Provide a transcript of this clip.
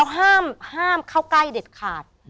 ห้ามเข้าใกล้เด็ดขาด